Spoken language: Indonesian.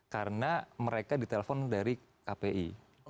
karena mereka ditelepon dari kpi